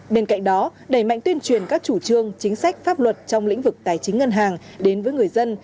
bên cạnh đó đẩy mạnh tuyên truyền các chủ trương chính sách pháp luật trong lĩnh vực tài chính ngân hàng đến với người dân